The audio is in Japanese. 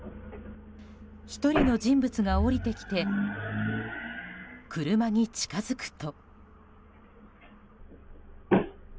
１人の人物が降りてきて車に近づくと。